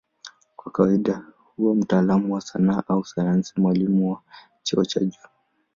Kwa kawaida huwa mtaalamu wa sanaa au sayansi, mwalimu wa cheo cha juu.